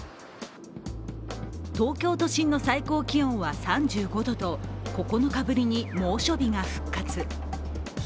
東京都心の最高気温は３５度と９日ぶりに猛暑日が復活。